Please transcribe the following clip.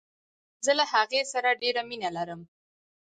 زه له هغې سره ډیره مینه لرم.